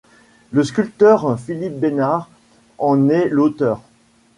Le sculpteur Philippe Besnard en est l'auteur.